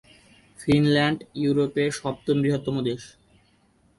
Finland ইউরোপের সপ্তম বৃহত্তম দেশ।